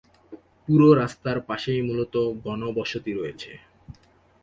পুরো রাস্তার পাশেই মূলত ঘন বসতি রয়েছে।